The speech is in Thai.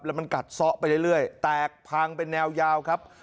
แล้วมันกัดซ้อไปเรื่อยแตกพังเป็นแนวยาวครับ